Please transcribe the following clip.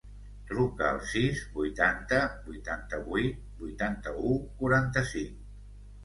Truca al sis, vuitanta, vuitanta-vuit, vuitanta-u, quaranta-cinc.